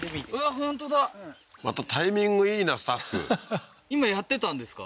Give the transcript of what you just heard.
本当だまたタイミングいいなスタッフはははっ今やってたんですか？